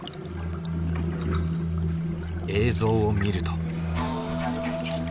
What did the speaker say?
映像を見ると。